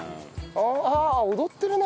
ああ踊ってるね。